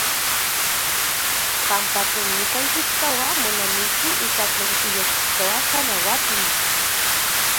Panpa tlen nikan kijtoa monamiki ika tlen kiyekijtoa tlanauatili.